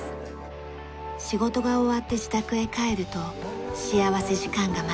仕事が終わって自宅へ帰ると幸福時間が待っています。